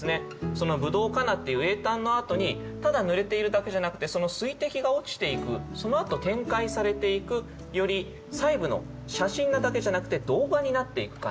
その「葡萄かな」っていう詠嘆のあとにただぬれているだけじゃなくてその水滴が落ちていくそのあと展開されていくより細部の写真なだけじゃなくて動画になっていく感じ。